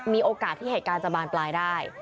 มีโอกาสที่เหตุการณ์จะบานปลายได้